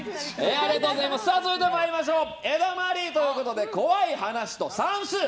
続いては江戸マリーということで怖い話と算数。